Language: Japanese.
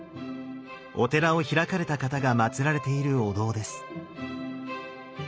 お寺を開かれた方がまつられているお堂です。